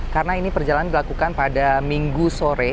karena ini perjalanan dilakukan pada minggu sore